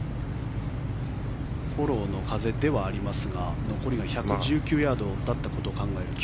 フォローの風ではありますが残りが１１９ヤードだったことを考えると。